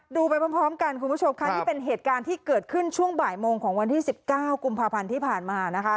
ดูไปพร้อมกันคุณผู้ชมค่ะนี่เป็นเหตุการณ์ที่เกิดขึ้นช่วงบ่ายโมงของวันที่๑๙กุมภาพันธ์ที่ผ่านมานะคะ